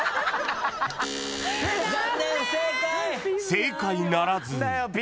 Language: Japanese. ［正解ならず］